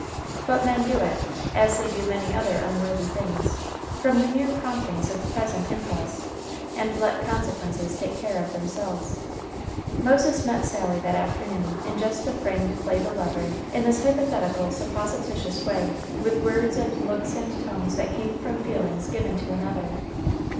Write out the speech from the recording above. But men do it, as they do many other unworthy things, from the mere promptings of present impulse, and let consequences take care of themselves. Moses met Sally that afternoon in just the frame to play the lover in this hypothetical, supposititious way, with words and looks and tones that came from feelings given to another.